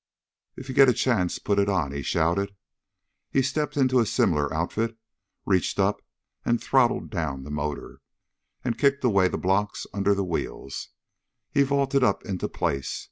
"If you get a chance, put it on!" he shouted. He stepped into a similar outfit, reached up and throttled down the motor, and kicked away the blocks under the wheels. He vaulted up into place.